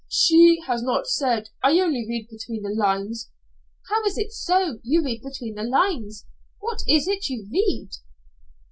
"She has not said. I only read between the lines." "How is it so you read between lines? What is it you read?"